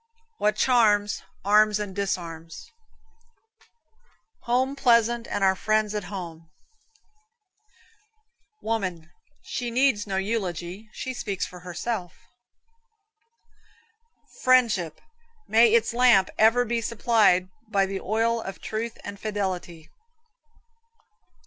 What charms, arms and disarms. Home pleasant, and our friends at home. Woman She needs no eulogy, she speaks for herself. Friendship May its lamp ever be supplied by the oil of truth and fidelity.